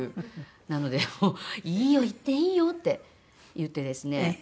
なのでもう「いいよ行っていいよ」って言ってですね。